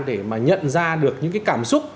để mà nhận ra được những cái cảm xúc